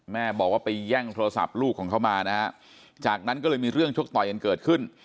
แม่บอกว่าไปแย่งโทรศัพท์ลูกของเขามานะฮะจากนั้นก็เลยมีเรื่องชกต่อยกันเกิดขึ้น